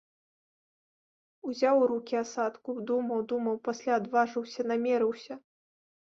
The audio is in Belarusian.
Узяў у рукі асадку, думаў, думаў, пасля адважыўся, намерыўся.